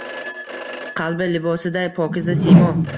Qalbi libosiday pokiza siymo.